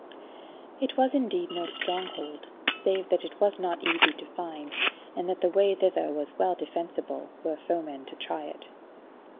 It was indeed no stronghold, save that it was not easy to find, and that the way thither was well defensible were foemen to try it.